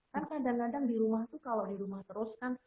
kan kadang kadang di rumah tuh kalau di rumah terus kan